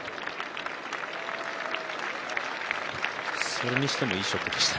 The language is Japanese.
それにしても、いいショットでした。